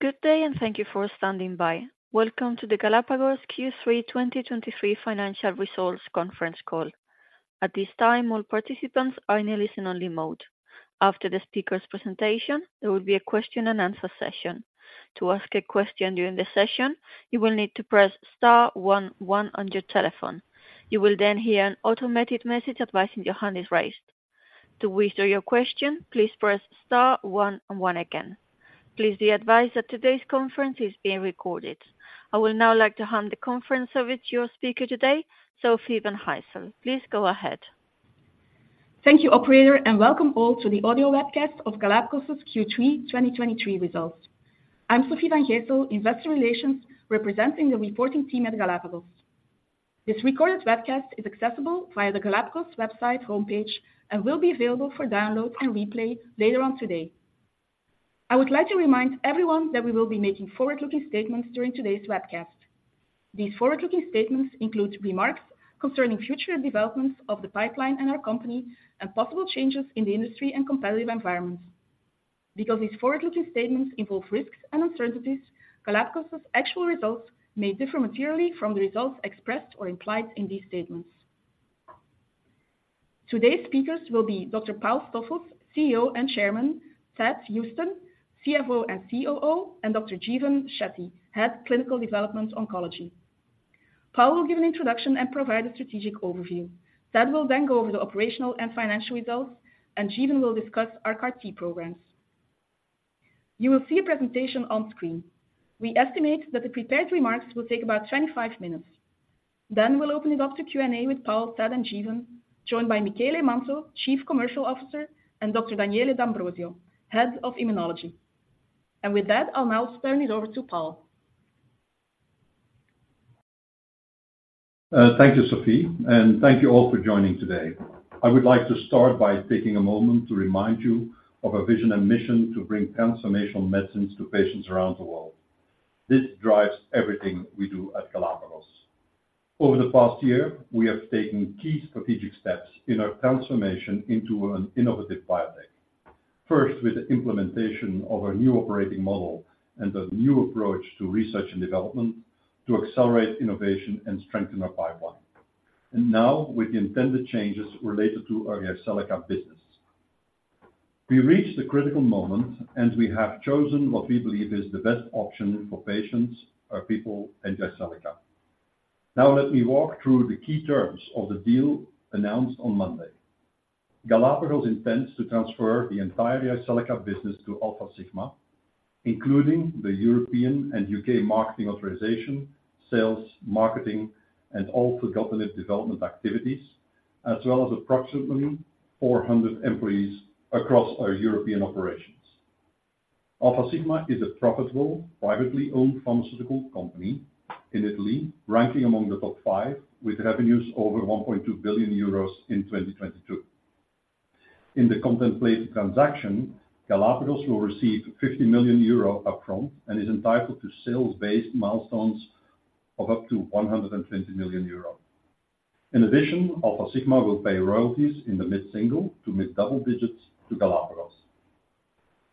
Good day, and thank you for standing by. Welcome to the Galapagos Q3 2023 Financial Results conference call. At this time, all participants are in a listen-only mode. After the speaker's presentation, there will be a question and answer session. To ask a question during the session, you will need to press star one, one on your telephone. You will then hear an automated message advising your hand is raised. To withdraw your question, please press star one and one again. Please be advised that today's conference is being recorded. I will now like to hand the conference over to your speaker today, Sofie Van Gijsel. Please go ahead. Thank you, operator, and welcome all to the audio webcast of Galapagos's Q3 2023 results. I'm Sofie Van Gijsel, Investor Relations, representing the reporting team at Galapagos. This recorded webcast is accessible via the Galapagos website homepage and will be available for download and replay later on today. I would like to remind everyone that we will be making forward-looking statements during today's webcast. These forward-looking statements include remarks concerning future developments of the pipeline and our company, and possible changes in the industry and competitive environments. Because these forward-looking statements involve risks and uncertainties, Galapagos's actual results may differ materially from the results expressed or implied in these statements. Today's speakers will be Dr. Paul Stoffels, CEO and Chairman, Thad Huston, CFO and COO, and Dr. Jeevan Shetty, Head of Clinical Development, Oncology. Paul will give an introduction and provide a strategic overview. Thad will then go over the operational and financial results, and Jeevan will discuss our CAR-T programs. You will see a presentation on screen. We estimate that the prepared remarks will take about 25 minutes. Then we'll open it up to Q&A with Paul, Thad, and Jeevan, joined by Michele Manto, Chief Commercial Officer, and Dr. Daniele D’Ambrosio, Head of Immunology. With that, I'll now turn it over to Paul. Thank you, Sofie, and thank you all for joining today. I would like to start by taking a moment to remind you of our vision and mission to bring transformational medicines to patients around the world. This drives everything we do at Galapagos. Over the past year, we have taken key strategic steps in our transformation into an innovative biotech. First, with the implementation of our new operating model and a new approach to research and development to accelerate innovation and strengthen our pipeline, and now with the intended changes related to our Jyseleca business. We reached a critical moment, and we have chosen what we believe is the best option for patients, our people, and Jyseleca. Now, let me walk through the key terms of the deal announced on Monday. Galapagos intends to transfer the entire Jyseleca business to Alfasigma, including the European and UK marketing authorization, sales, marketing, and all ongoing development activities, as well as approximately 400 employees across our European operations. Alfasigma is a profitable, privately owned pharmaceutical company in Italy, ranking among the top five, with revenues over 1.2 billion euros in 2022. In the contemplated transaction, Galapagos will receive 50 million euro upfront and is entitled to sales-based milestones of up to 120 million euro. In addition, Alfasigma will pay royalties in the mid-single to mid-double digits to Galapagos.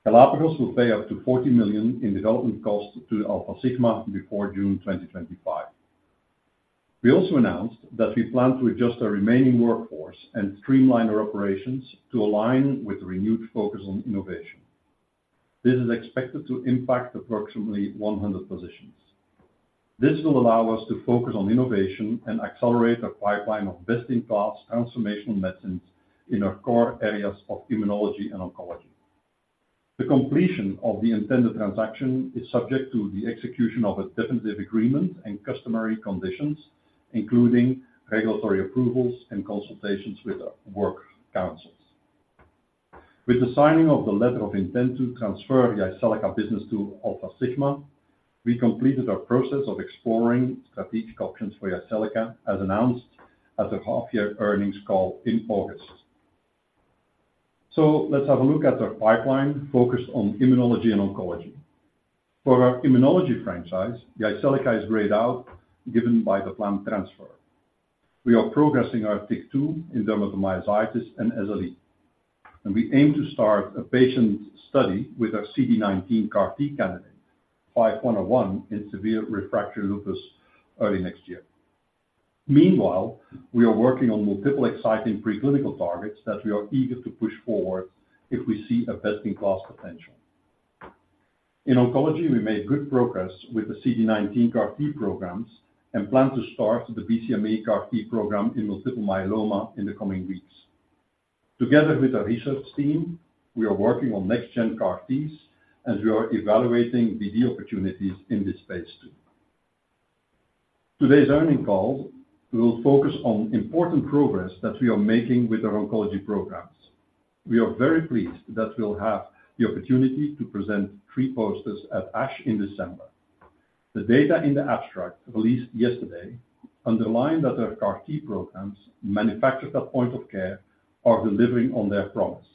Galapagos will pay up to 40 million in development costs to Alfasigma before June 2025. We also announced that we plan to adjust our remaining workforce and streamline our operations to align with renewed focus on innovation. This is expected to impact approximately 100 positions. This will allow us to focus on innovation and accelerate our pipeline of best-in-class transformational medicines in our core areas of immunology and oncology. The completion of the intended transaction is subject to the execution of a definitive agreement and customary conditions, including regulatory approvals and consultations with our work councils. With the signing of the letter of intent to transfer Jyseleca business to Alfasigma, we completed our process of exploring strategic options for Jyseleca, as announced at the half-year earnings call in August. Let's have a look at our pipeline focused on immunology and oncology. For our immunology franchise, Jyseleca is grayed out, given by the planned transfer. We are progressing our TYK2 in dermatomyositis and SLE, and we aim to start a patient study with our CD19 CAR-T candidate, GLPG5101, in severe refractory lupus early next year. Meanwhile, we are working on multiple exciting preclinical targets that we are eager to push forward if we see a best-in-class potential. In oncology, we made good progress with the CD19 CAR-T programs and plan to start the BCMA CAR-T program in multiple myeloma in the coming weeks. Together with our research team, we are working on next gen CAR-Ts, and we are evaluating the opportunities in this space, too. Today's earnings call will focus on important progress that we are making with our oncology programs. We are very pleased that we'll have the opportunity to present three posters at ASH in December. The data in the abstract, released yesterday, underlined that our CAR-T programs, manufactured at point of care, are delivering on their promise.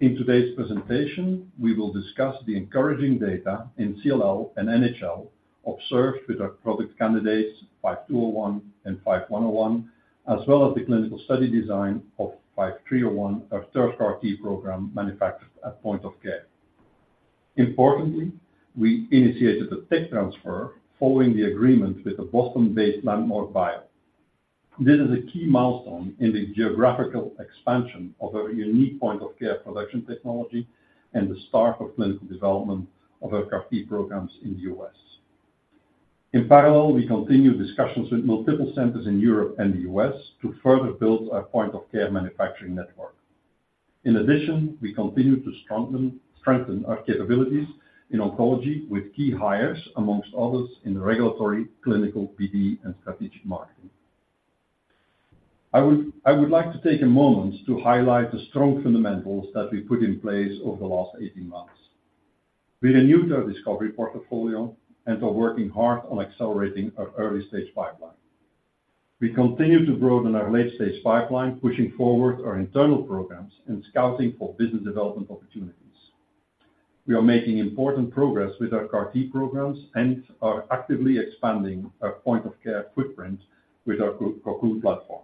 In today's presentation, we will discuss the encouraging data in CLL and NHL observed with our product candidates, 5201 and 5101, as well as the clinical study design of 5301, our third CAR-T program, manufactured at point of care. Importantly, we initiated the tech transfer following the agreement with the Boston-based Landmark Bio. This is a key milestone in the geographical expansion of our unique point-of-care production technology and the start of clinical development of our CAR-T programs in the U.S. In parallel, we continue discussions with multiple centers in Europe and the U.S. to further build our point of care manufacturing network. In addition, we continue to strengthen our capabilities in oncology with key hires, among others, in regulatory, clinical, PD, and strategic marketing. I would like to take a moment to highlight the strong fundamentals that we've put in place over the last 18 months. We renewed our discovery portfolio and are working hard on accelerating our early-stage pipeline. We continue to broaden our late-stage pipeline, pushing forward our internal programs and scouting for business development opportunities. We are making important progress with our CAR-T programs and are actively expanding our point-of-care footprint with our Cocoon Platform.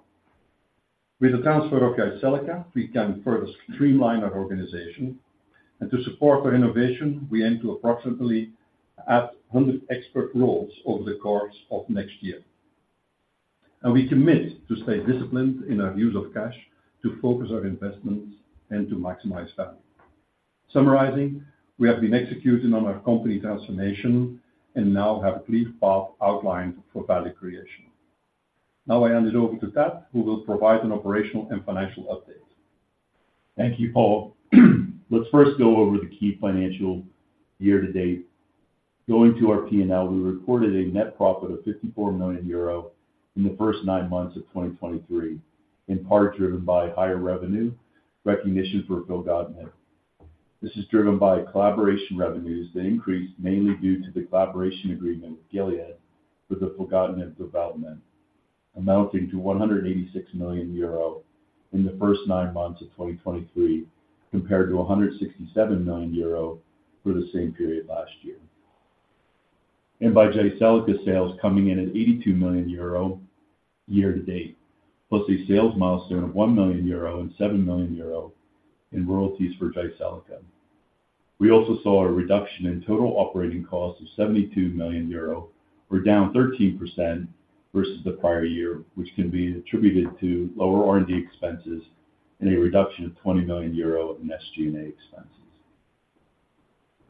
With the transfer of Jyseleca, we can further streamline our organization, and to support our innovation, we aim to approximately add 100 expert roles over the course of next year. We commit to stay disciplined in our use of cash, to focus our investments and to maximize value. Summarizing, we have been executing on our company transformation and now have a clear path outlined for value creation. Now I hand it over to Thad, who will provide an operational and financial update. Thank you, Paul. Let's first go over the key financial year-to-date. Going to our P&L, we reported a net profit of 54 million euro in the first nine months of 2023, in part driven by higher revenue recognition for filgotinib. This is driven by collaboration revenues that increased mainly due to the collaboration agreement with Gilead for the filgotinib development, amounting to 186 million euro in the first nine months of 2023, compared to 167 million euro for the same period last year. By Jyseleca sales coming in at 82 million euro year-to-date, plus a sales milestone of 1 million euro and 7 million euro in royalties for Jyseleca. We also saw a reduction in total operating costs of 72 million euro, or down 13% versus the prior year, which can be attributed to lower R&D expenses and a reduction of 20 million euro in SG&A expenses.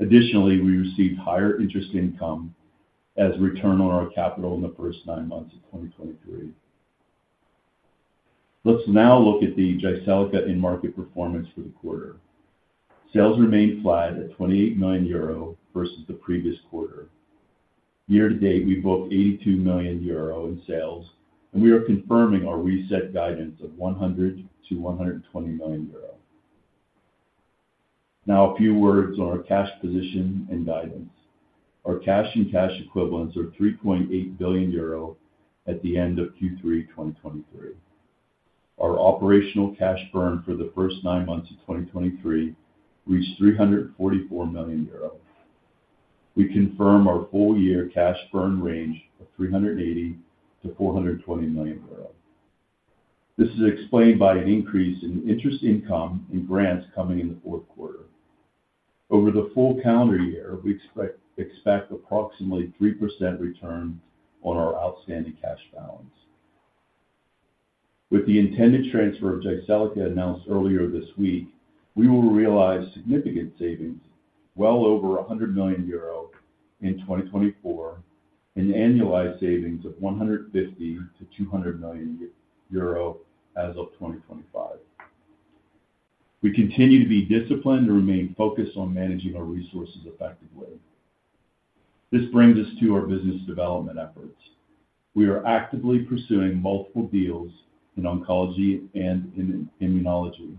Additionally, we received higher interest income as return on our capital in the first nine months of 2023. Let's now look at the Jyseleca in-market performance for the quarter. Sales remained flat at 28 million euro versus the previous quarter. Year-to-date, we booked 82 million euro in sales, and we are confirming our reset guidance of 100 million-120 million euro. Now, a few words on our cash position and guidance. Our cash and cash equivalents are 3.8 billion euro at the end of Q3 2023. Our operational cash burn for the first nine months of 2023 reached 344 million euros. We confirm our full-year cash burn range of 380 million-420 million euros. This is explained by an increase in interest income and grants coming in the fourth quarter. Over the full calendar year, we expect approximately 3% return on our outstanding cash balance. With the intended transfer of Jyseleca announced earlier this week, we will realize significant savings, well over 100 million euro in 2024, and annualized savings of 150 million-200 million euro as of 2025. We continue to be disciplined and remain focused on managing our resources effectively. This brings us to our business development efforts. We are actively pursuing multiple deals in oncology and in immunology.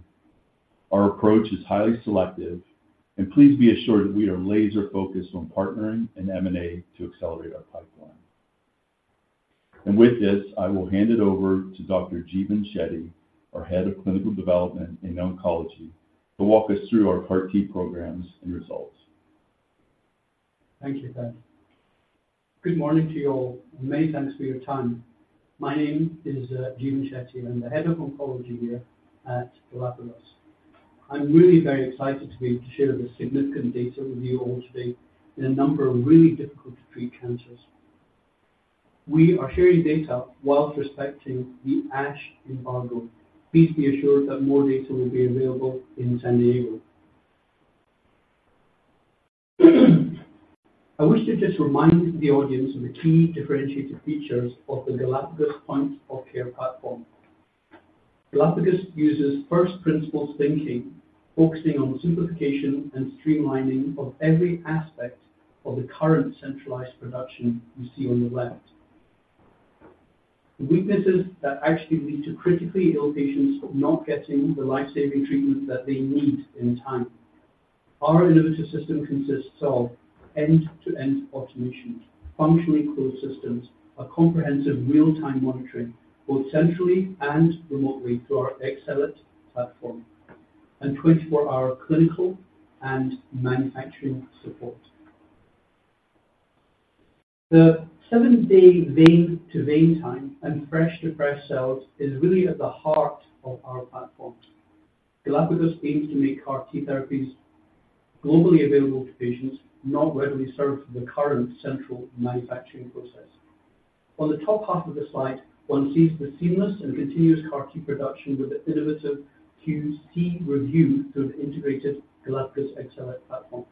Our approach is highly selective, and please be assured that we are laser-focused on partnering and M&A to accelerate our pipeline. With this, I will hand it over to Dr. Jeevan Shetty, our Head of Clinical Development in Oncology, to walk us through our CAR-T programs and results. Thank you, Thad. Good morning to you all, and many thanks for your time. My name is Jeevan Shetty. I'm the Head of Oncology here at Galapagos. I'm really very excited to be able to share the significant data with you all today in a number of really difficult-to-treat cancers. We are sharing data while respecting the ASH embargo. Please be assured that more data will be available in San Diego. I wish to just remind the audience of the key differentiated features of the Galapagos point-of-care platform. Galapagos uses first-principles thinking, focusing on the simplification and streamlining of every aspect of the current centralized production you see on the left. The weaknesses that actually lead to critically ill patients not getting the life-saving treatment that they need in time. Our innovative system consists of end-to-end automation, functionally closed systems, a comprehensive real-time monitoring, both centrally and remotely through our xCellit platform, and 24-hour clinical and manufacturing support. The seven-day vein-to-vein time and fresh to fresh cells is really at the heart of our platforms. Galapagos aims to make CAR-T therapies globally available to patients not readily served from the current central manufacturing process. On the top half of the slide, one sees the seamless and continuous CAR-T production with the innovative QC review through an integrated Galapagos xCellit platform.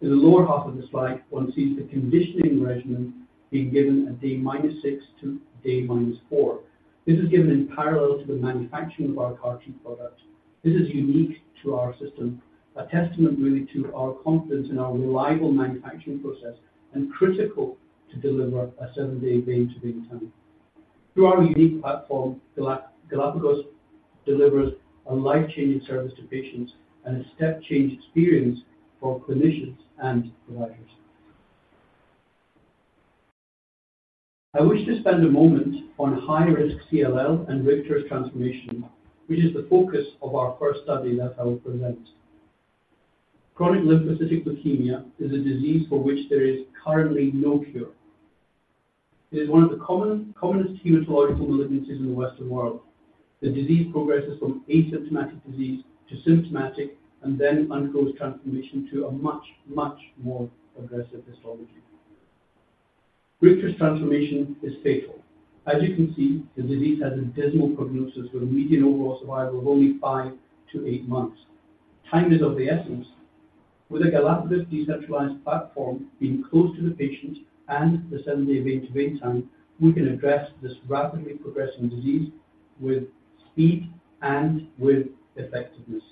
In the lower half of the slide, one sees the conditioning regimen being given at day minus six to day minus four. This is given in parallel to the manufacturing of our CAR-T product. This is unique to our system, a testament really to our confidence in our reliable manufacturing process, and critical to deliver a seven-day vein-to-vein time. Through our unique platform, Galapagos delivers a life-changing service to patients and a step-change experience for clinicians and providers. I wish to spend a moment on high-risk CLL and Richter's transformation, which is the focus of our first study that I will present. Chronic lymphocytic leukemia is a disease for which there is currently no cure. It is one of the commonest hematological malignancies in the Western world. The disease progresses from asymptomatic disease to symptomatic, and then undergoes transformation to a much, much more aggressive histology. Richter's transformation is fatal. As you can see, the disease has a dismal prognosis, with a median overall survival of only five to eight months. Time is of the essence. With a Galapagos decentralized platform being close to the patient and the seven-day vein-to-vein time, we can address this rapidly progressing disease with speed and with effectiveness.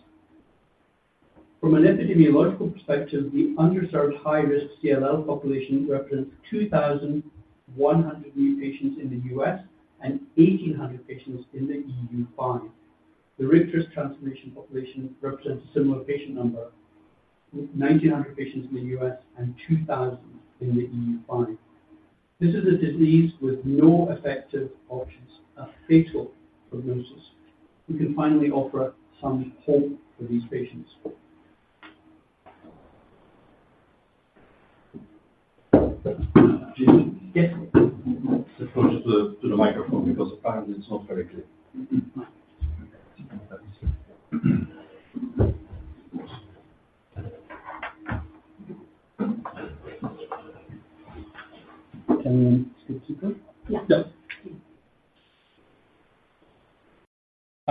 From an epidemiological perspective, the underserved high-risk CLL population represents 2,100 new patients in the U.S. and 1,800 patients in the EU5. The Richter transformation population represents a similar patient number, with 1,900 patients in the U.S. and 2,000 in the EU5. This is a disease with no effective options, a fatal prognosis. We can finally offer some hope for these patients. Get closer to the microphone because apparently it's not very clear. Can we keep going?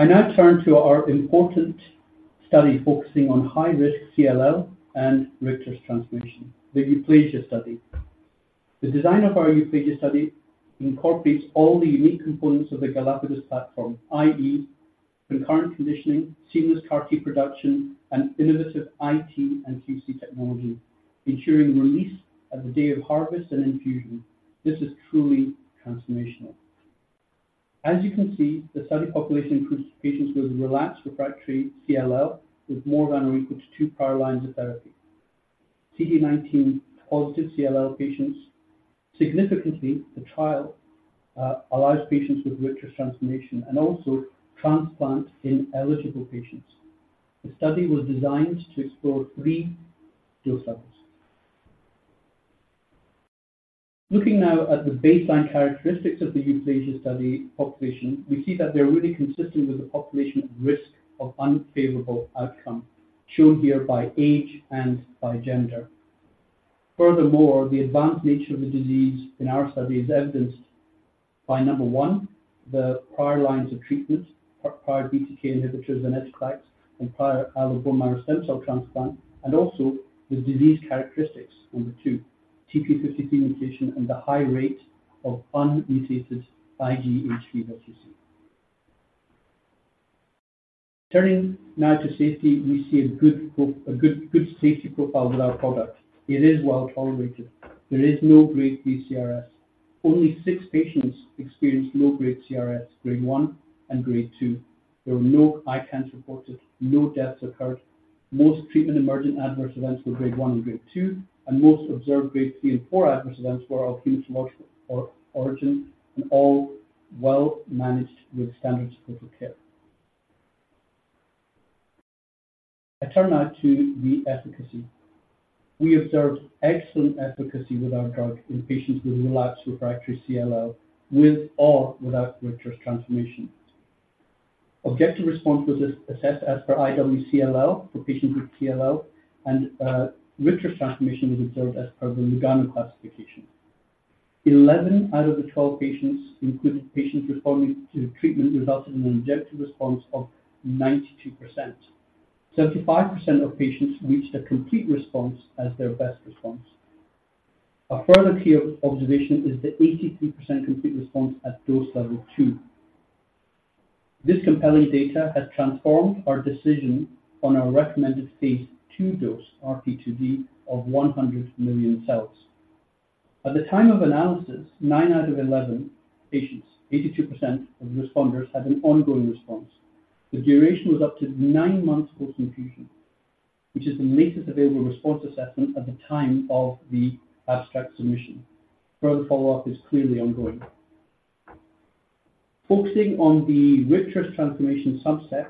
Yeah. Yep. I now turn to our important study focusing on high-risk CLL and Richter's transformation, the EUPLAGIA study. The design of our EUPLAGIA study incorporates all the unique components of the Galapagos platform, i.e., concurrent conditioning, seamless CAR-T production, and innovative IT and QC technology, ensuring release at the day of harvest and infusion. This is truly transformational. As you can see, the study population includes patients with relapsed refractory CLL, with more than or equal to two prior lines of therapy. CD19 positive CLL patients. Significantly, the trial allows patients with Richter's transformation and also transplant in eligible patients. The study was designed to explore three dose levels. Looking now at the baseline characteristics of the EUPLAGIA study population, we see that they're really consistent with the population at risk of unfavorable outcome, shown here by age and by gender. Furthermore, the advanced nature of the disease in our study is evidenced by, 1, the prior lines of treatment, or prior BTK inhibitors and S-types, and prior allo bone marrow stem cell transplant, and also the disease characteristics, 2, TP53 mutation and the high rate of unmutated IGHV. Turning now to safety, we see a good safety profile with our product. It is well tolerated. There is no grade 3 CRS. Only 6 patients experienced low-grade CRS, grade one and grade 2. There were no ICANS reported, no deaths occurred. Most treatment-emergent adverse events were grade 1 and grade 2, and most observed grade 3 and 4 adverse events were of hematological origin, and all well managed with standard supportive care. I turn now to the efficacy. We observed excellent efficacy with our drug in patients with relapsed refractory CLL, with or without Richter's transformation. Objective response was assessed as per iWCLL for patients with CLL, and Richter's transformation was observed as per the Lugano classification. Eleven out of the twelve patients included patients responding to treatment, resulted in an objective response of 92%. 75% of patients reached a complete response as their best response. A further clear observation is the 83% complete response at dose level two. This compelling data has transformed our decision on our recommended phase II dose, RP2D, of 100 million cells. At the time of analysis, nine out of 11 patients, 82% of responders, had an ongoing response. The duration was up to 9 months post-infusion, which is the latest available response assessment at the time of the abstract submission. Further follow-up is clearly ongoing. Focusing on the Richter transformation subset,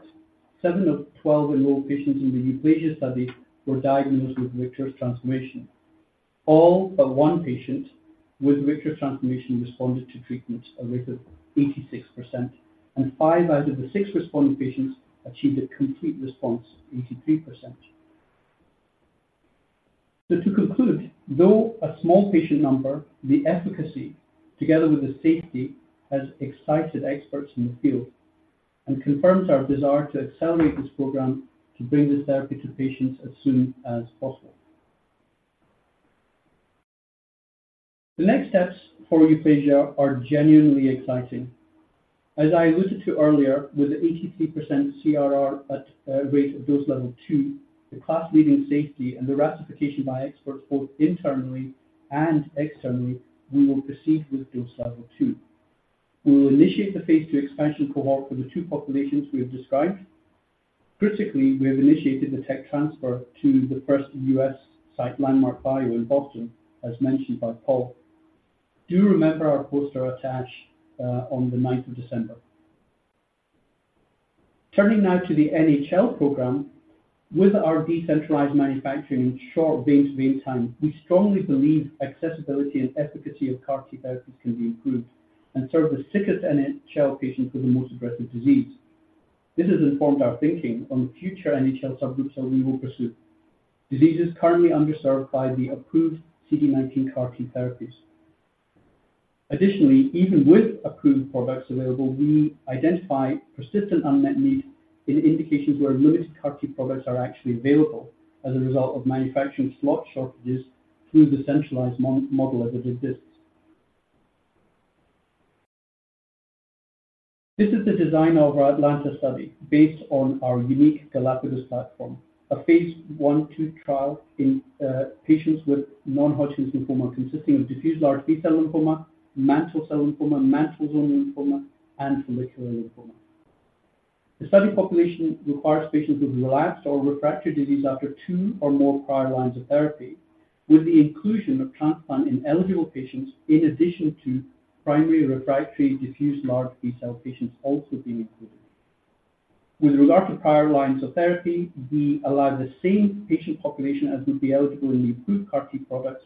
seven of 12 enrolled patients in the EUPLAGIA study were diagnosed with Richter transformation. All but one patient with Richter transformation responded to treatment, a rate of 86%, and five out of the six responding patients achieved a complete response, 83%. So to conclude, though a small patient number, the efficacy together with the safety has excited experts in the field and confirms our desire to accelerate this program to bring this therapy to patients as soon as possible. The next steps for EUPLAGIA are genuinely exciting. As I alluded to earlier, with the 83% CRR at rate of dose level two, the class-leading safety and the ratification by experts, both internally and externally, we will proceed with dose level two. We will initiate the phase II expansion cohort for the two populations we have described. Critically, we have initiated the tech transfer to the first U.S. site, Landmark Bio in Boston, as mentioned by Paul. Do remember our poster attached on the 9th of December. Turning now to the NHL program. With our decentralized manufacturing and short vein-to-vein time, we strongly believe accessibility and efficacy of CAR-T therapies can be improved and serve the sickest NHL patients with the most aggressive disease. This has informed our thinking on the future NHL subgroups that we will pursue. Diseases currently underserved by the approved CD19 CAR-T therapies. Additionally, even with approved products available, we identify persistent unmet need in indications where limited CAR-T products are actually available as a result of manufacturing slot shortages through the centralized model as it exists. This is the design of our ATALANTA study, based on our unique Galapagos platform, a phase I/II trial in patients with non-Hodgkin lymphoma, consisting of diffuse large B-cell lymphoma, mantle cell lymphoma, marginal zone lymphoma, and follicular lymphoma. The study population requires patients with relapsed or refractory disease after two or more prior lines of therapy, with the inclusion of transplant-ineligible patients, in addition to primary refractory diffuse large B-cell patients also being included. With regard to prior lines of therapy, we allow the same patient population as would be eligible in the approved CAR-T products.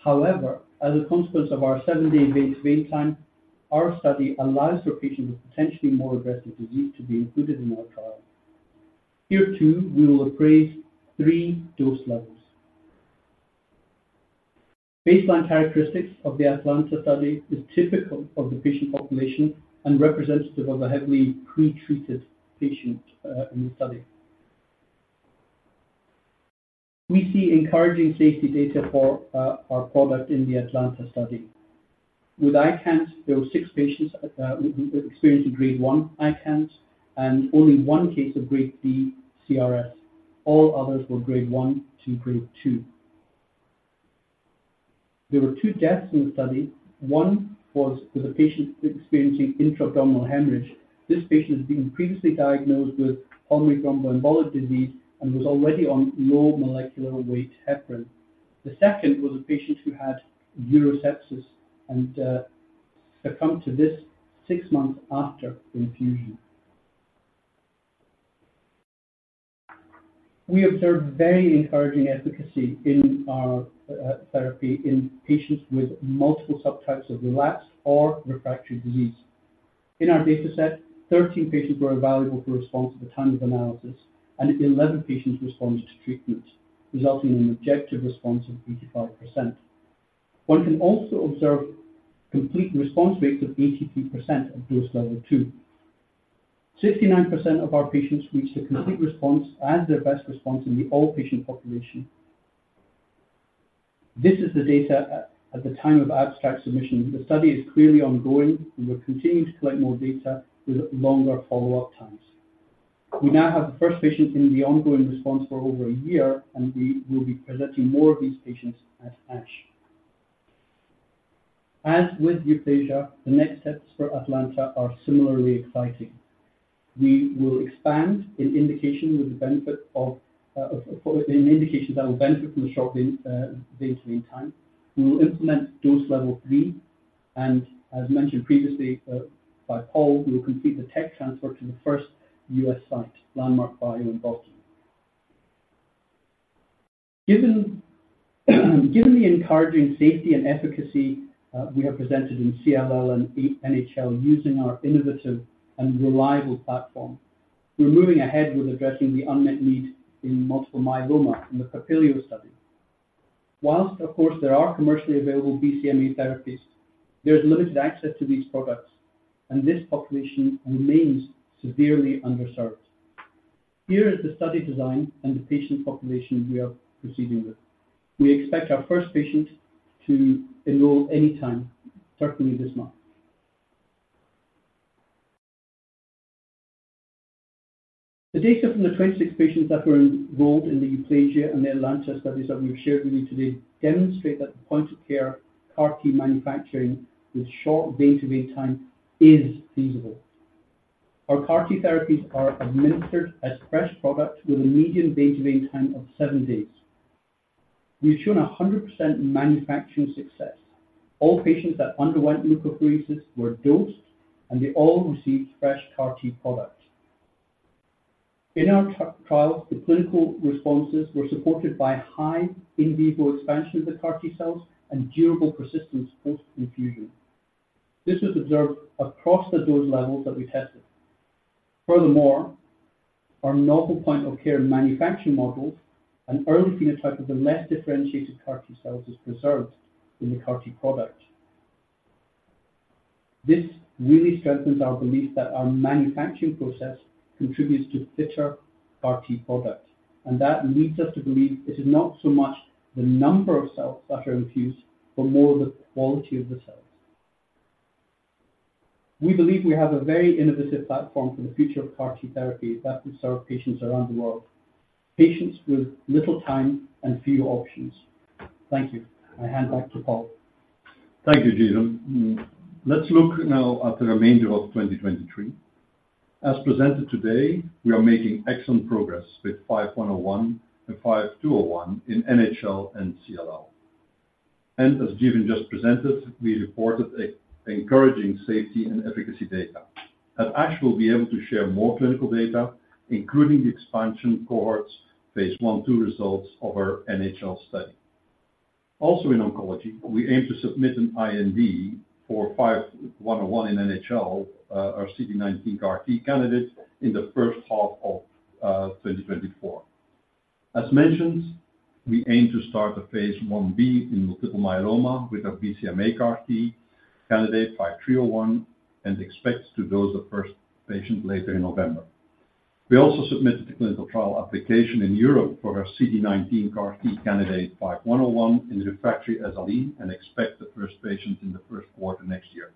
However, as a consequence of our seven-day vein-to-vein time, our study allows for patients with potentially more aggressive disease to be included in our trial. Here, too, we will assess three dose levels. Baseline characteristics of the ATALANTA study is typical of the patient population and representative of a heavily pre-treated patient in the study. We see encouraging safety data for our product in the ATALANTA study. With ICANS, there were six patients experiencing grade one ICANS and only one case of grade three CRS. All others were grade one to grade two. There were two deaths in the study. One was with a patient experiencing intra-abdominal hemorrhage. This patient had been previously diagnosed with pulmonary thromboembolic disease and was already on low molecular weight heparin. The second was a patient who had neurosepsis and succumbed to this six months after the infusion. We observed very encouraging efficacy in our therapy in patients with multiple subtypes of relapsed or refractory disease. In our dataset, 13 patients were available for response at the time of analysis, and 11 patients responded to treatment, resulting in an objective response of 85%. One can also observe complete response rates of 83% at dose level two. 69% of our patients reached a complete response and their best response in the all-patient population. This is the data at the time of abstract submission. The study is clearly ongoing, and we're continuing to collect more data with longer follow-up times. We now have the first patient in the ongoing response for over a year, and we will be presenting more of these patients at ASH. As with EUPLAGIA, the next steps for ATALANTA are similarly exciting. We will expand in indication with the benefit of in indications that will benefit from the short vein-to-vein time. We will implement dose level three, and as mentioned previously by Paul, we will complete the tech transfer to the first U.S. site, Landmark Bio in Boston. Given the encouraging safety and efficacy we have presented in CLL and eight NHL using our innovative and reliable platform, we're moving ahead with addressing the unmet need in multiple myeloma in the PAPILIO study. While, of course, there are commercially available BCMA therapies, there is limited access to these products, and this population remains severely underserved. Here is the study design and the patient population we are proceeding with. We expect our first patient to enroll any time, certainly this month. The data from the 26 patients that were enrolled in the EUPLAGIA and the ATALANTA studies that we've shared with you today demonstrate that the point-of-care CAR-T manufacturing with short vein-to-vein time is feasible. Our CAR-T therapies are administered as fresh product with a median vein-to-vein time of seven days. We've shown 100% manufacturing success. All patients that underwent leukapheresis were dosed, and they all received fresh CAR-T product. In our trials, the clinical responses were supported by high in vivo expansion of the CAR-T cells and durable persistence post infusion. This was observed across the dose levels that we tested. Furthermore, our novel point-of-care manufacturing model and early phenotype of the less differentiated CAR-T cells is preserved in the CAR-T product. This really strengthens our belief that our manufacturing process contributes to fitter CAR-T product, and that leads us to believe it is not so much the number of cells that are infused, but more the quality of the cells. We believe we have a very innovative platform for the future of CAR-T therapy that will serve patients around the world, patients with little time and few options. Thank you. I hand back to Paul. Thank you, Jeevan. Let's look now at the remainder of 2023. As presented today, we are making excellent progress with 5101 and 5201 in NHL and CLL. As Jeevan just presented, we reported encouraging safety and efficacy data. At ASH, we'll be able to share more clinical data, including the expansion cohorts, phase I/II results of our NHL study. Also, in oncology, we aim to submit an IND for 5101 in NHL, our CD19 CAR-T candidate in the first half of 2024. As mentioned, we aim to start a phase I-B in multiple myeloma with our BCMA CAR-T candidate 5301, and expect to dose the first patient later in November. We also submitted a clinical trial application in Europe for our CD19 CAR-T candidate, 5101, in refractory SLE, and expect the first patient in the first quarter next year.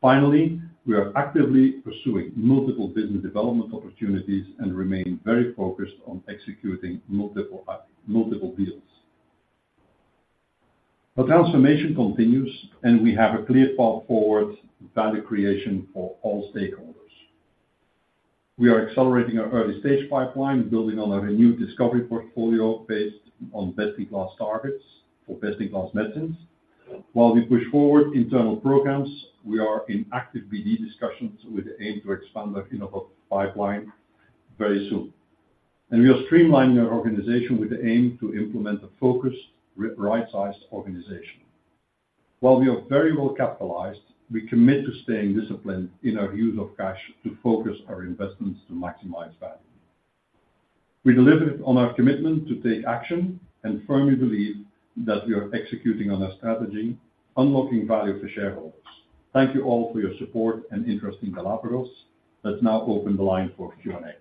Finally, we are actively pursuing multiple business development opportunities and remain very focused on executing multiple deals. The transformation continues, and we have a clear path forward, value creation for all stakeholders. We are accelerating our early-stage pipeline and building on our renewed discovery portfolio based on best-in-class targets for best-in-class medicines. While we push forward internal programs, we are in active BD discussions with the aim to expand the Innovo pipeline very soon. We are streamlining our organization with the aim to implement a focused, right-sized organization. While we are very well capitalized, we commit to staying disciplined in our use of cash to focus our investments to maximize value. We delivered on our commitment to take action, and firmly believe that we are executing on our strategy, unlocking value for shareholders. Thank you all for your support and interest in Galapagos. Let's now open the line for Q&A.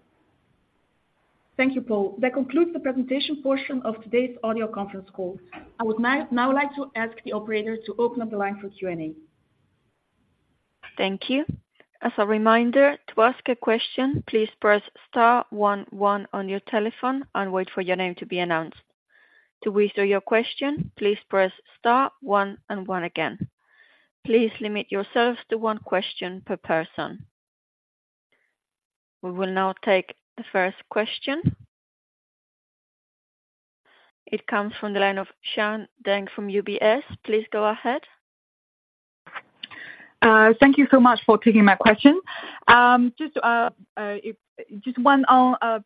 Thank you, Paul. That concludes the presentation portion of today's audio conference call. I would now like to ask the operator to open up the line for Q&A. Thank you. As a reminder, to ask a question, please press star one, one on your telephone and wait for your name to be announced. To withdraw your question, please press star one and one again. Please limit yourselves to one question per person. We will now take the first question. It comes from the line of Xian Deng from UBS. Please go ahead. Thank you so much for taking my question. Just one on BD,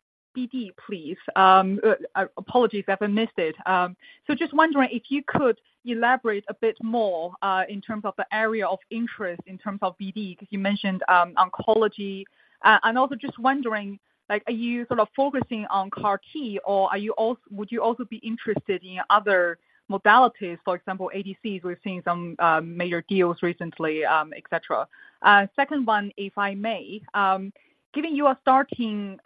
please. Apologies if I missed it. So just wondering if you could elaborate a bit more in terms of the area of interest, in terms of BD, because you mentioned oncology. And also just wondering, like, are you sort of focusing on CAR-T, or would you also be interested in other modalities, for example, ADCs? We're seeing some major deals recently, et cetera. Second one, if I may. Given you are starting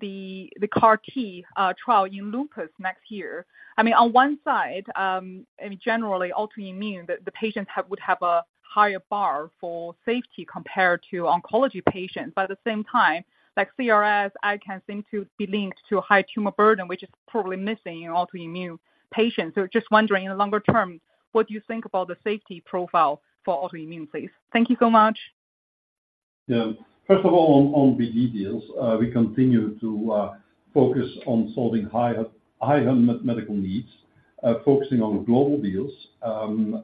the CAR-T trial in lupus next year, I mean, on one side, I mean, generally, autoimmune, the patients would have a higher bar for safety compared to oncology patients. But at the same time, like CRS, I can seem to be linked to a high tumor burden, which is probably missing in autoimmune patients. So just wondering, in the longer term, what you think about the safety profile for autoimmune, please. Thank you so much. Yeah. First of all, on BD deals, we continue to focus on solving higher medical needs, focusing on global deals,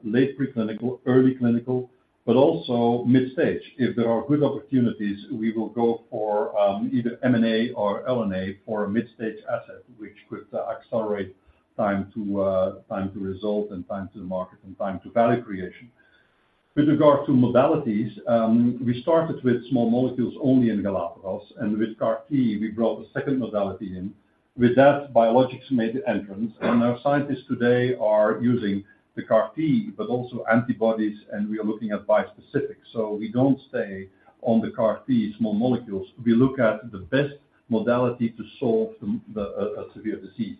late preclinical, early clinical, but also mid-stage. If there are good opportunities, we will go for either M&A or L&A for a mid-stage asset, which could accelerate time to result and time to market and time to value creation. With regard to modalities, we started with small molecules only in Galapagos, and with CAR-T, we brought a second modality in. With that, biologics made the entrance, and our scientists today are using the CAR-T, but also antibodies, and we are looking at bispecific. So we don't stay on the CAR-T small molecules. We look at the best modality to solve a severe disease.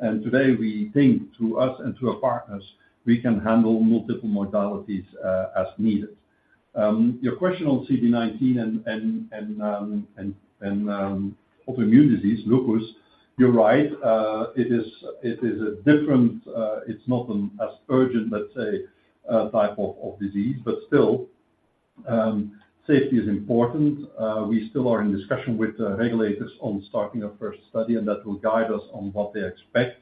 Today, we think to us and to our partners, we can handle multiple modalities, as needed. Your question on CD19 and autoimmune disease, lupus, you're right, it is a different... it's not as urgent, let's say, type of disease, but still. Safety is important. We still are in discussion with the regulators on starting our first study, and that will guide us on what they expect.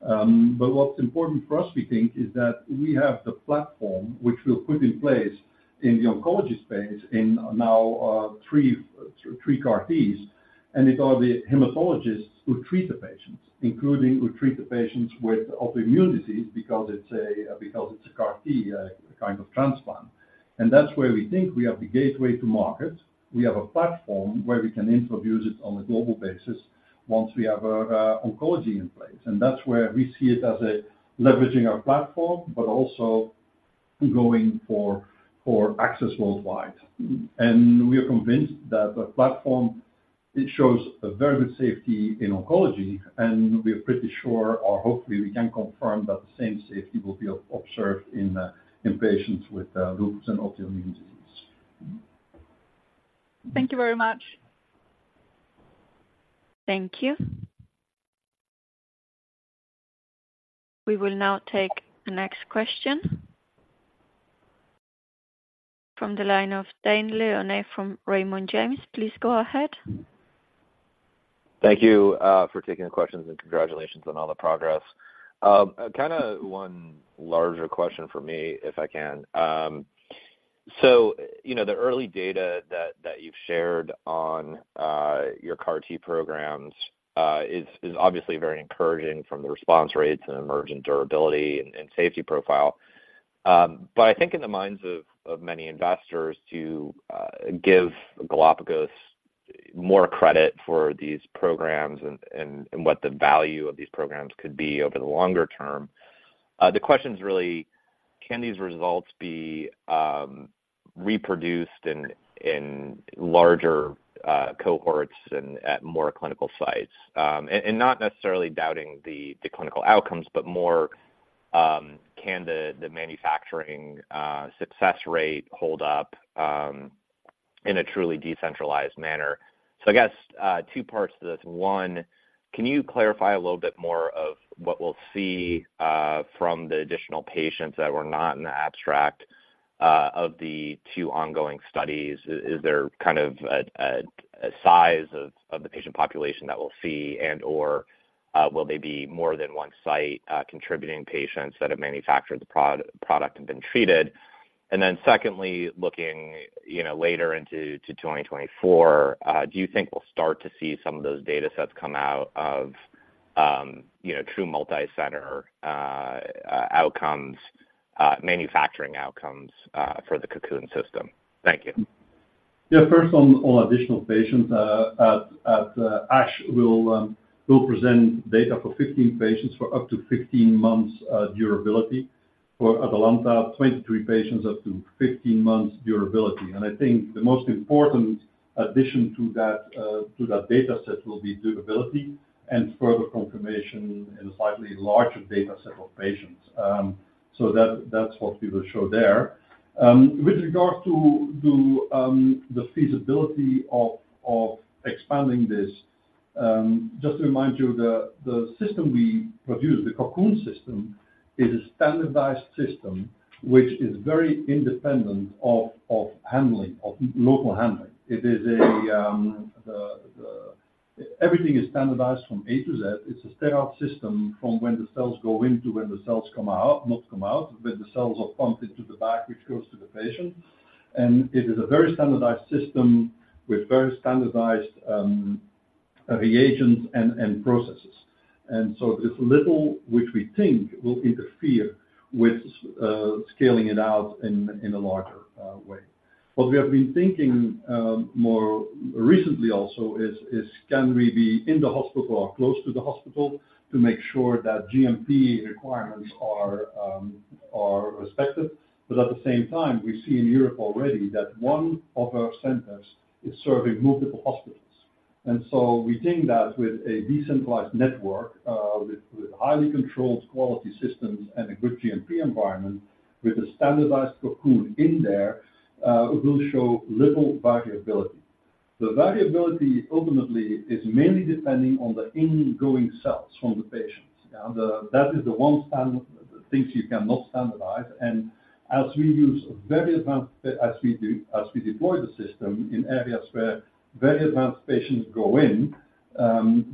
But what's important for us, we think, is that we have the platform which we'll put in place in the oncology space in now, three CAR-Ts, and it are the hematologists who treat the patients, including who treat the patients with autoimmunity, because it's a, because it's a CAR-T, kind of transplant. And that's where we think we have the gateway to market. We have a platform where we can introduce it on a global basis once we have, oncology in place. And that's where we see it as a leveraging our platform, but also going for, for access worldwide. And we are convinced that the platform, it shows a very good safety in oncology, and we are pretty sure, or hopefully, we can confirm that the same safety will be observed in, in patients with, lupus and autoimmune disease. Thank you very much. Thank you. We will now take the next question from the line of Dane Leone from Raymond James. Please go ahead. Thank you, for taking the questions, and congratulations on all the progress. Kind of one larger question for me, if I can. So you know, the early data that you've shared on, your CAR-T programs, is obviously very encouraging from the response rates and emergent durability and safety profile. But I think in the minds of many investors to give Galapagos more credit for these programs and what the value of these programs could be over the longer term, the question is really, can these results be reproduced in larger cohorts and at more clinical sites? And not necessarily doubting the clinical outcomes, but more, can the manufacturing success rate hold up in a truly decentralized manner? So I guess, two parts to this. One, can you clarify a little bit more of what we'll see from the additional patients that were not in the abstract of the two ongoing studies? Is there kind of a size of the patient population that we'll see, and/or will they be more than one site contributing patients that have manufactured the product and been treated? And then secondly, looking, you know, later into 2024, do you think we'll start to see some of those data sets come out of, you know, true multicenter outcomes, manufacturing outcomes for the Cocoon system? Thank you. Yeah, first on additional patients at ASH, we'll present data for 15 patients for up to 15 months durability. For ATALANTA, 23 patients up to 15 months durability. And I think the most important addition to that data set will be durability and further confirmation in a slightly larger data set of patients. So that's what we will show there. With regards to the feasibility of expanding this, just to remind you, the system we produce, the Cocoon system, is a standardized system which is very independent of handling, of local handling. It is a, everything is standardized from A to Z. It's a sterile system from when the cells go in to when the cells come out, not come out, when the cells are pumped into the back, which goes to the patient. And it is a very standardized system with very standardized reagents and processes. And so there's little, which we think, will interfere with scaling it out in a larger way. What we have been thinking more recently also is can we be in the hospital or close to the hospital to make sure that GMP requirements are respected? But at the same time, we see in Europe already that one of our centers is serving multiple hospitals. And so we think that with a decentralized network with highly controlled quality systems and a good GMP environment, with a standardized Cocoon in there, will show little variability. The variability, ultimately, is mainly depending on the in-going cells from the patients. Now, that is the one standard things you cannot standardize. And as we use very advanced, as we deploy the system in areas where very advanced patients go in,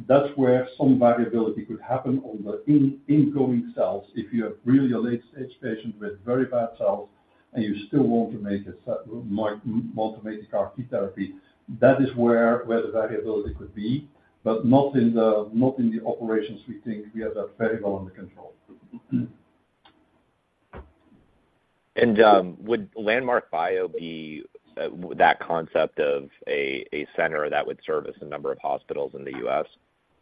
that's where some variability could happen on the in-going cells. If you have really a late-stage patient with very bad cells, and you still want to make an automated CAR-T therapy, that is where the variability could be, but not in the operations. We think we have that very well under control. Would Landmark Bio be that concept of a center that would service a number of hospitals in the US?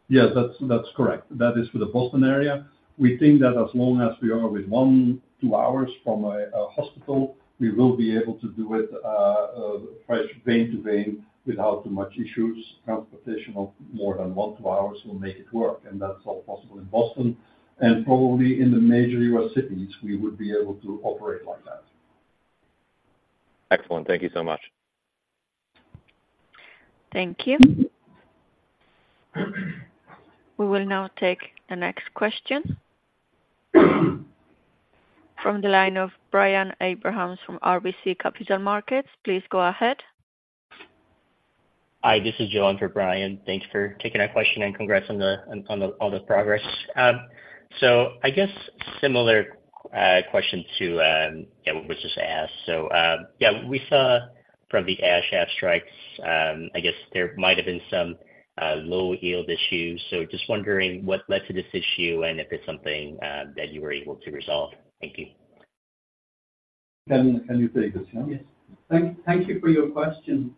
Yes, that's, that's correct. That is for the Boston area. We think that as long as we are with 1-2 hours from a hospital, we will be able to do it fresh vein to vein, without too much issues. Transportation of more than 1-2 hours will make it work, and that's all possible in Boston and probably in the major U.S. cities, we would be able to operate like that. Excellent. Thank you so much.... Thank you. We will now take the next question. From the line of Brian Abrahams from RBC Capital Markets. Please go ahead. Hi, this is John for Brian. Thanks for taking our question, and congrats on the progress. So I guess similar question to yeah, what was just asked. So yeah, we saw from the ASH highlights, I guess there might have been some low yield issues. So just wondering what led to this issue and if it's something that you were able to resolve. Thank you. Can you take this, Jeevan? Yes. Thank you for your question.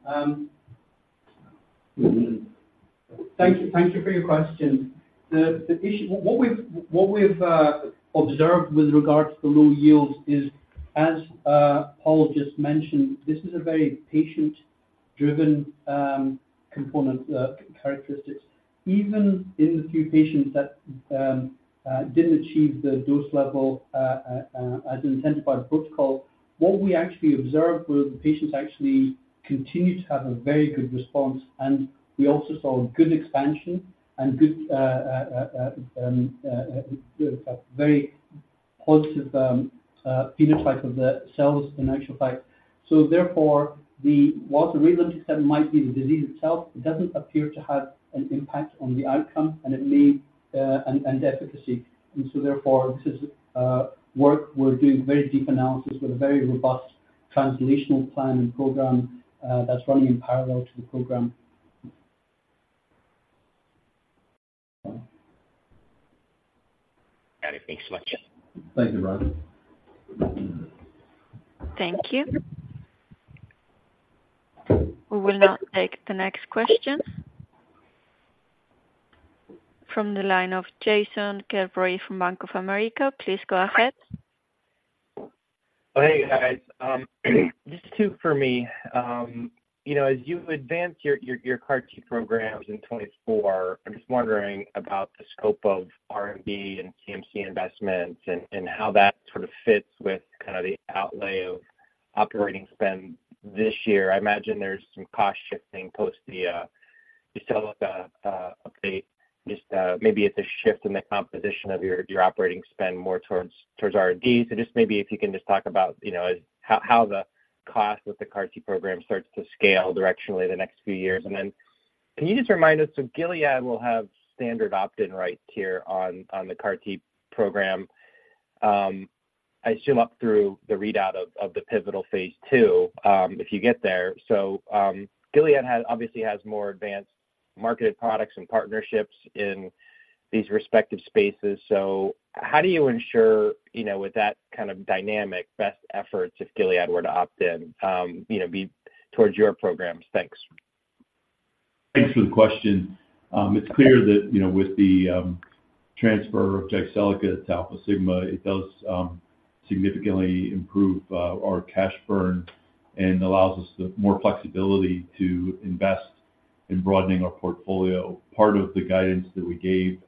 The issue—what we've observed with regards to the low yields is, as Paul just mentioned, this is a very patient-driven component characteristics. Even in the few patients that didn't achieve the dose level as identified by protocol, what we actually observed was the patients actually continued to have a very good response, and we also saw good expansion and a very positive phenotype of the cells in actual fact. So therefore, while the reason might be the disease itself, it doesn't appear to have an impact on the outcome and efficacy. And so therefore, this is work we're doing very deep analysis with a very robust translational plan and program that's running in parallel to the program. Got it. Thanks so much. Thank you, Brian. Thank you. We will now take the next question. From the line of Jason Gerberry from Bank of America. Please go ahead. Oh, hey, guys. Just two for me. You know, as you advance your CAR-T programs in 2024, I'm just wondering about the scope of R&D and CMC investments and how that sort of fits with kind of the outlay of operating spend this year. I imagine there's some cost shifting post the Jyseleca update. Just maybe it's a shift in the composition of your operating spend more towards R&D. So just maybe if you can just talk about, you know, how the cost with the CAR-T program starts to scale directionally the next few years. And then can you just remind us, so Gilead will have standard opt-in rights here on the CAR-T program, I assume, up through the readout of the pivotal phase II, if you get there. Gilead has, obviously has more advanced marketed products and partnerships in these respective spaces. So how do you ensure, you know, with that kind of dynamic, best efforts, if Gilead were to opt in, you know, be towards your programs? Thanks. Thanks for the question. It's clear that, you know, with the transfer of Jyseleca to Alfasigma, it does significantly improve our cash burn and allows us the more flexibility to invest in broadening our portfolio. Part of the guidance that we gave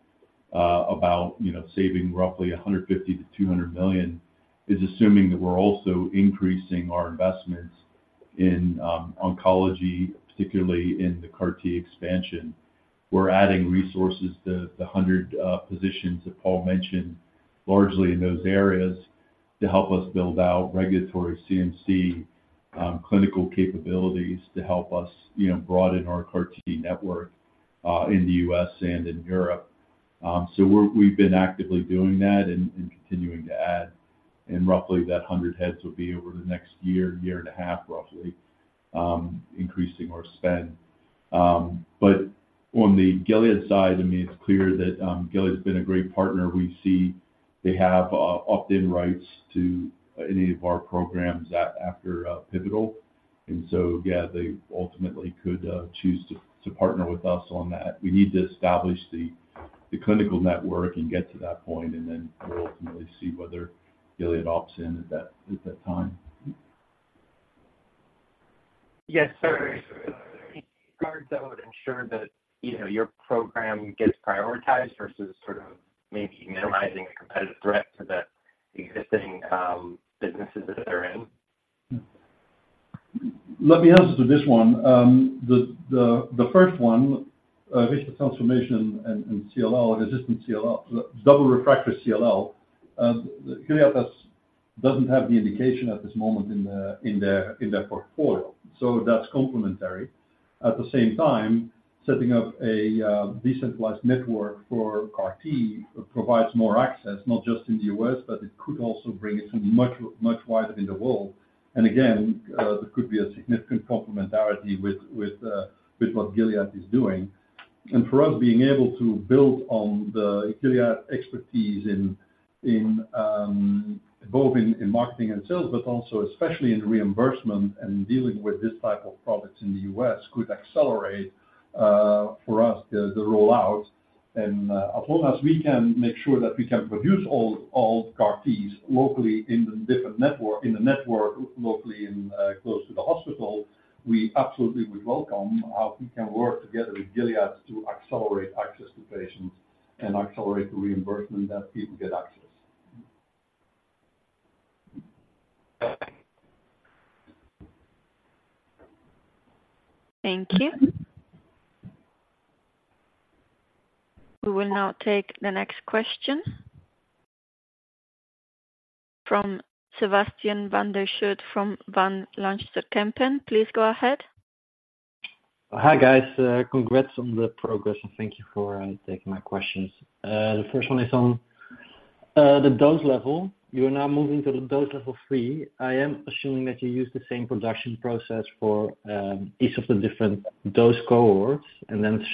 about, you know, saving roughly 150-200 million, is assuming that we're also increasing our investments in oncology, particularly in the CAR-T expansion. We're adding resources to the 100 positions that Paul mentioned, largely in those areas to help us build out regulatory CMC clinical capabilities to help us, you know, broaden our CAR-T network in the U.S. and in Europe. So we've been actively doing that and continuing to add, and roughly that 100 heads will be over the next year and a half, roughly, increasing our spend. But on the Gilead side, I mean, it's clear that Gilead's been a great partner. We see they have opt-in rights to any of our programs after pivotal. And so, yeah, they ultimately could choose to partner with us on that. We need to establish the clinical network and get to that point, and then we'll ultimately see whether Gilead opts in at that time. Yes, sir. Regarding that would ensure that, you know, your program gets prioritized versus sort of maybe minimizing the competitive threat to the existing businesses that they're in. Let me answer to this one. The first one, digital transformation and CLL, resistant CLL, double refractory CLL, Gilead doesn't have the indication at this moment in their portfolio, so that's complementary. At the same time, setting up a decentralized network for CAR-T provides more access, not just in the U.S., but it could also bring it much wider in the world. And again, there could be a significant complementarity with what Gilead is doing. And for us, being able to build on the Gilead expertise in both in marketing and sales, but also especially in reimbursement and dealing with this type of products in the U.S., could accelerate for us the rollout. As long as we can make sure that we can produce all CAR-Ts locally in the different network, in the network, locally in close to the hospital, we absolutely would welcome how we can work together with Gilead to accelerate access to patients and accelerate the reimbursement that people get access. Thank you. We will now take the next question... From Sebastiaan van der Schoot from Van Lanschot Kempen. Please go ahead. Hi, guys. Congrats on the progress, and thank you for taking my questions. The first one is on the dose level. You are now moving to the dose level three. I am assuming that you use the same production process for each of the different dose cohorts and then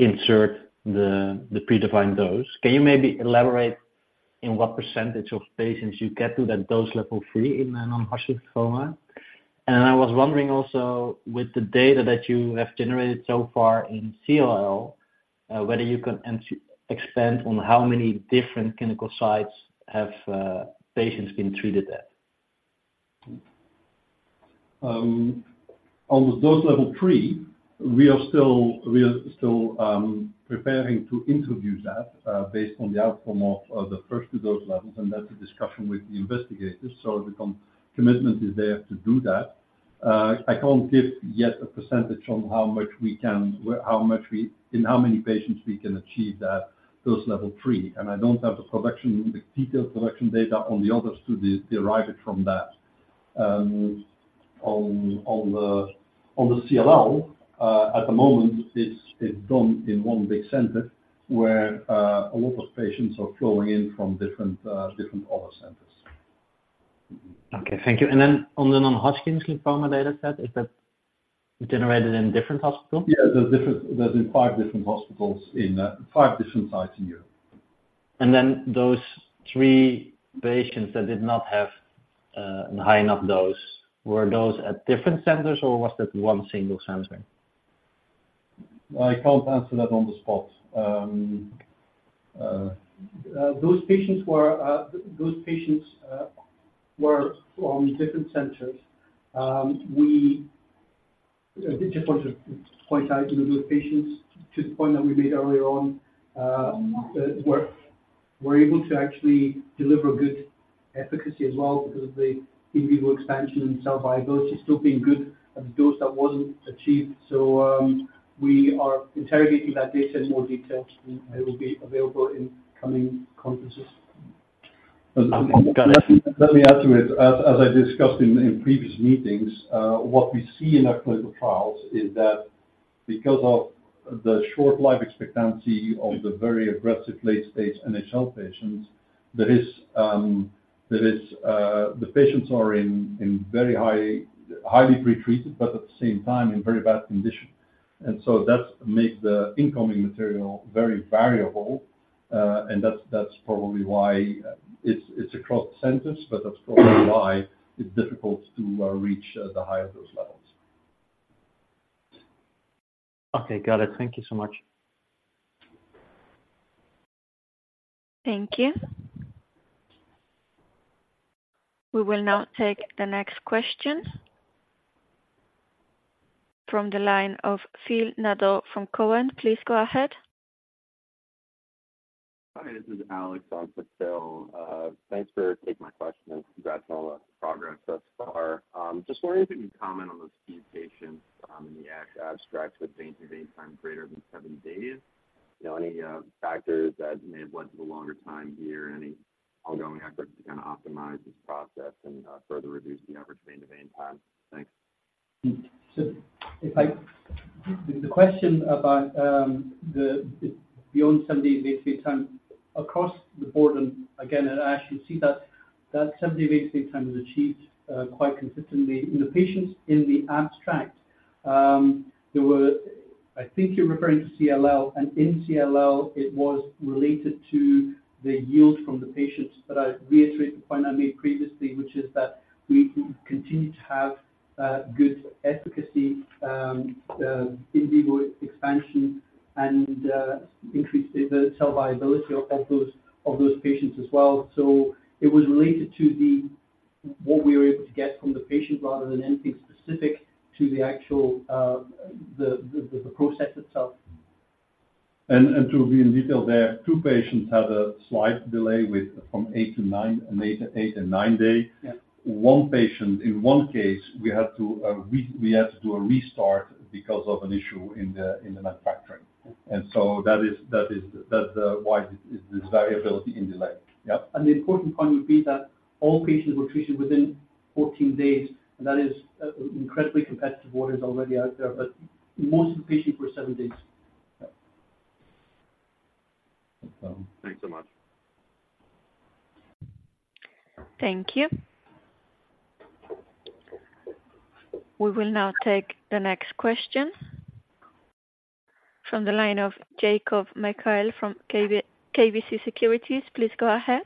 insert the predefined dose. Can you maybe elaborate on what percentage of patients you get to that dose level three in non-Hodgkin lymphoma? And I was wondering also, with the data that you have generated so far in CLL, whether you can expand on how many different clinical sites have patients been treated at? On the dose level three, we are still preparing to introduce that, based on the outcome of the first two dose levels, and that's a discussion with the investigators. So the commitment is there to do that. I can't give yet a percentage on how many patients we can achieve that dose level three. And I don't have the detailed production data on the others to derive it from that. On the CLL, at the moment, it's done in one big center where a lot of patients are flowing in from different other centers. Okay, thank you. And then on the non-Hodgkin lymphoma data set, is that generated in different hospitals? Yeah, there's different. There's in five different hospitals in five different sites in Europe. And then those three patients that did not have high enough dose, were those at different centers, or was that one single center? I can't answer that on the spot. Those patients were from different centers. We just want to point out to those patients, to the point that we made earlier on, we're able to actually deliver good efficacy as well because of the in vivo expansion and cell viability still being good at the dose that wasn't achieved. So, we are interrogating that data in more detail, and it will be available in coming conferences. Okay, got it. Let me add to it. As I discussed in previous meetings, what we see in our clinical trials is that because of the short life expectancy of the very aggressive late stage NHL patients, there is the patients are in very highly pretreated, but at the same time in very bad condition. And so that makes the incoming material very variable. And that's probably why it's across centers, but that's probably why it's difficult to reach the higher dose levels. Okay, got it. Thank you so much. Thank you. We will now take the next question... From the line of Phil Nadeau from Cowen. Please go ahead. Hi, this is Alex on for Phil. Thanks for taking my question, and congrats on all the progress thus far. Just wondering if you could comment on those key patients in the ASH abstracts with vein-to-vein time greater than seven days. You know, any factors that may have led to the longer time here, any ongoing efforts to kinda optimize this process and further reduce the average vein-to-vein time? Thanks. The question about the beyond seven day vein-to-vein time, across the board, and again at ASHtwo you see that seven day vein-to-vein time is achieved quite consistently. In the patients in the abstract, I think you're referring to CLL, and in CLL, it was related to the yield from the patients. But I reiterate the point I made previously, which is that we continue to have good efficacy, in vivo expansion and increase the cell viability of those patients as well. So it was related to what we were able to get from the patient, rather than anything specific to the actual process itself. And to be in detail there, two patients had a slight delay with from eight to nine, an eight, eight and nine day. Yeah. One patient, in one case, we had to do a restart because of an issue in the manufacturing. Yeah. And so that's why there's variability in delay. Yep. The important point would be that all patients were treated within 14 days, and that is incredibly competitive with what is already out there, but most of the patients were seven days. Yeah. Thanks so much. Thank you. We will now take the next question from the line of Jacob Mekhael from KBC Securities. Please go ahead.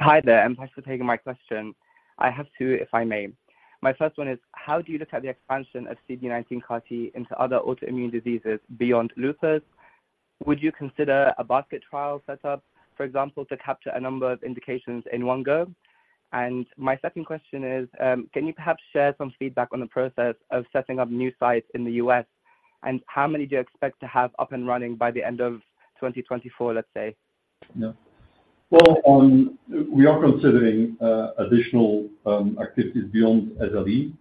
Hi there, and thanks for taking my question. I have two, if I may. My first one is, how do you look at the expansion of CD19 CAR-T into other autoimmune diseases beyond lupus? Would you consider a basket trial set up, for example, to capture a number of indications in one go? My second question is, can you perhaps share some feedback on the process of setting up new sites in the U.S.? And how many do you expect to have up and running by the end of 2024, let's say? Yeah. Well, we are considering additional activities beyond SLE,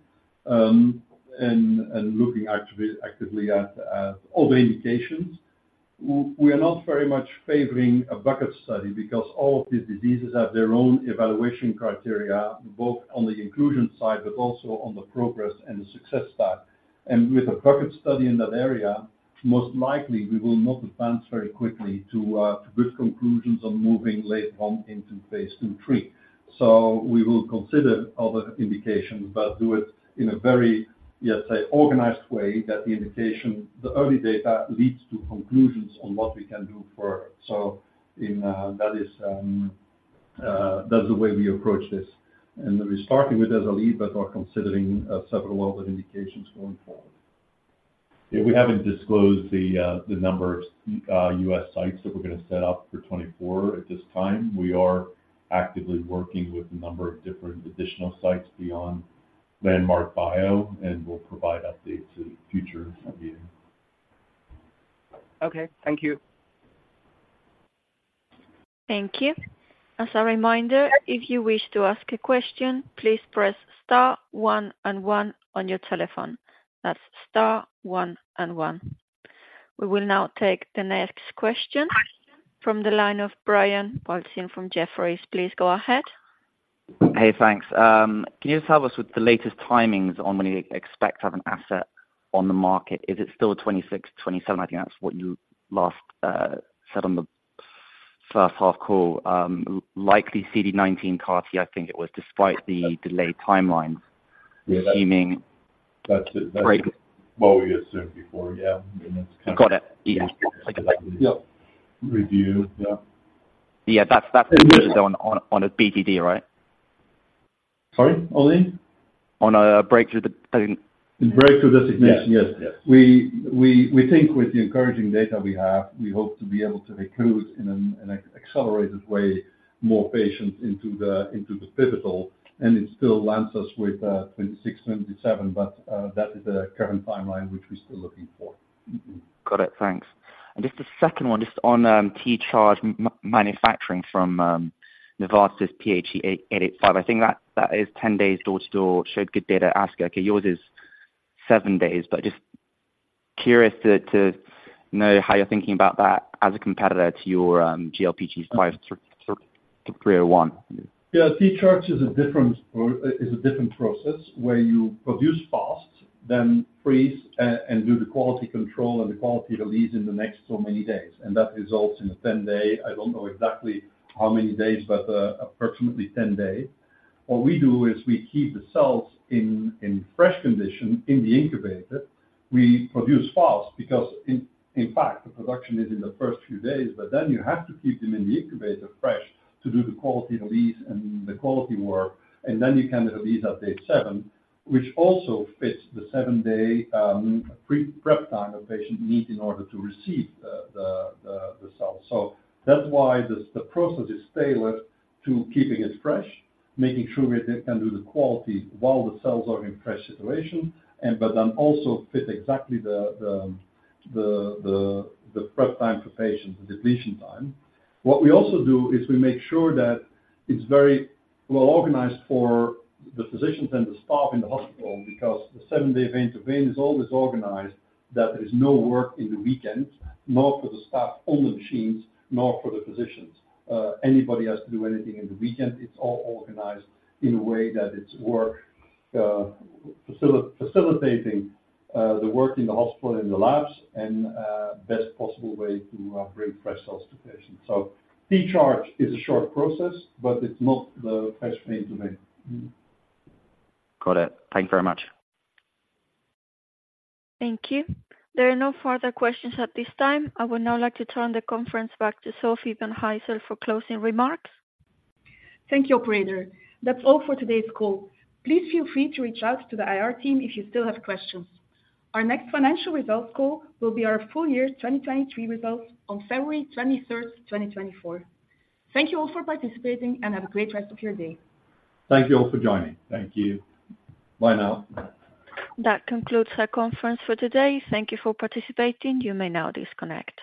and looking actively at other indications. We are not very much favoring a bucket study because all of these diseases have their own evaluation criteria, both on the inclusion side, but also on the progress and the success side. And with a bucket study in that area, most likely we will not advance very quickly to good conclusions on moving late one into phase II and III. So we will consider other indications, but do it in a very, let's say, organized way, that the indication, the early data leads to conclusions on what we can do for. So that is, that's the way we approach this. And we're starting with SLE, but are considering several other indications going forward. Yeah, we haven't disclosed the number of U.S. sites that we're going to set up for 2024 at this time. We are actively working with a number of different additional sites beyond Landmark Bio, and we'll provide updates in future meetings. Okay, thank you. Thank you. As a reminder, if you wish to ask a question, please press star one and one on your telephone. That's star one and one. We will now take the next question from the line of Brian Balchin from Jefferies. Please go ahead. Hey, thanks. Can you just help us with the latest timings on when you expect to have an asset on the market? Is it still 2026, 2027? I think that's what you last said on the first half call, likely CD19 CAR-T, I think it was, despite the delayed timelines- Yeah. Assuming. That's it. Great. What we assumed before. Yeah, and that's- Got it. Yeah. Thank you. Yep. Review. Yeah. Yeah, that's on a BDD, right? Sorry, Oli? On a breakthrough de- Breakthrough designation. Yes. Yes. We think with the encouraging data we have, we hope to be able to recruit in an accelerated way more patients into the pivotal, and it still lands us with 26, 27, but that is the current timeline, which we're still looking for. Mm-hmm. Got it. Thanks. And just a second one, just on T-Charge manufacturing from Novartis' Phase I data. I think that is 10 days door-to-door, showed good data. As okay, yours is seven days, but just curious to know how you're thinking about that as a competitor to your GLPG5301. Yeah, T-Charge is a different process where you produce fast, then freeze, and do the quality control and the quality release in the next so many days, and that results in a 10-day, I don't know exactly how many days, but, approximately 10 days. What we do is we keep the cells in fresh condition in the incubator. We produce fast because in fact, the production is in the first few days, but then you have to keep them in the incubator fresh to do the quality release and the quality work, and then you can release at day seven, which also fits the seven-day pre-prep time a patient needs in order to receive the cells. So that's why the process is tailored to keeping it fresh, making sure we can do the quality while the cells are in fresh situation, and but then also fit exactly the prep time for patients, the depletion time. What we also do is we make sure that it's very well organized for the physicians and the staff in the hospital, because the seven-day event is always organized, that there is no work in the weekend, nor for the staff on the machines, nor for the physicians. Anybody has to do anything in the weekend, it's all organized in a way that it's work facilitating the work in the hospital, in the labs, and best possible way to bring fresh cells to patients. So T-Charge is a short process, but it's not the vein-to-vein to me. Got it. Thank you very much. Thank you. There are no further questions at this time. I would now like to turn the conference back to Sofie Van Gijsel for closing remarks. Thank you, operator. That's all for today's call. Please feel free to reach out to the IR team if you still have questions. Our next financial results call will be our full year 2023 results on February 23rd, 2024. Thank you all for participating, and have a great rest of your day. Thank you all for joining. Thank you. Bye now. That concludes our conference for today. Thank you for participating. You may now disconnect.